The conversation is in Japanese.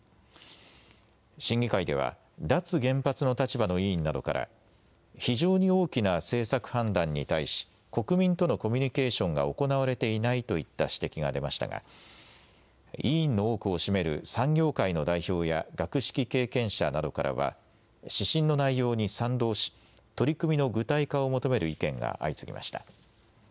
審議会では、脱原発の立場の委員などから、非常に大きな政策判断に対し、国民とのコミュニケーションが行われていないといった指摘が出ましたが、委員の多くを占める産業界の代表や学識経験者などからは、指針の内容に賛同し、取り組みの具体化を求める意見が相次ぎました。